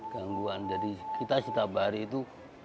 gangguan jadi kita si tabari itu